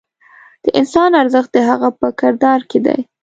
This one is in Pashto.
د انسان ارزښت د هغه په کردار کې دی.